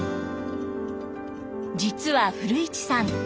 実は古市さん